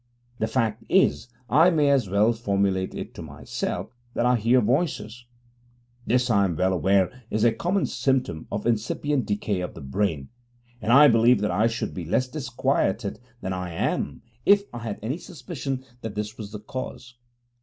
The fact is (I may as well formulate it to myself) that I hear voices. This, I am well aware, is a common symptom of incipient decay of the brain and I believe that I should be less disquieted than I am if I had any suspicion that this was the cause.